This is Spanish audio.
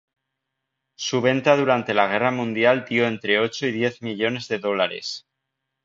Su venta durante la Guerra Mundial dio entre ocho y diez millones de dólares.